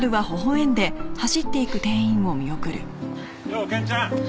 ようケンちゃん。